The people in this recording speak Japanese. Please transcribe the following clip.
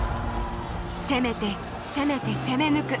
攻めて攻めて攻め抜く。